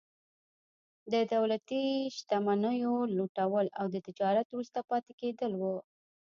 د دولتي شتمنیو لوټول او د تجارت وروسته پاتې کېدل وو.